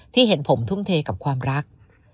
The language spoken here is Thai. เห็นผมทุ่มเทกับความรัก